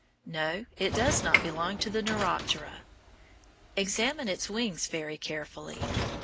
No, it does not belong to the Neuroptera. Examine its wings very carefully.